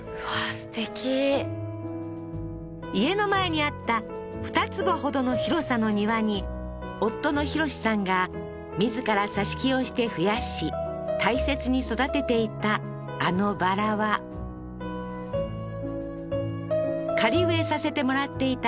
すてき家の前にあった２坪ほどの広さの庭に夫の浩さんが自ら挿し木をして増やし大切に育てていたあのバラは仮植えさせてもらっていた